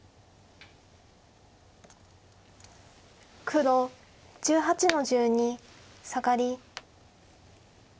黒１８の十二サガリ。